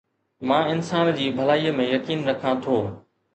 مان انسان جي ڀلائي ۾ يقين رکان ٿو